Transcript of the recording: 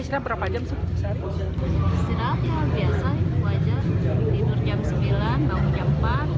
istirahat yang biasa itu wajar tidur jam sembilan bangun jam empat